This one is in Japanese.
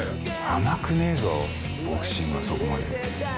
甘くねえぞボクシングはそこまで。